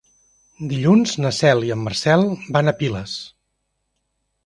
Dilluns na Cel i en Marcel van a Piles.